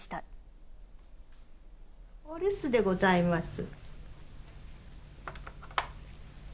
お留守でございます。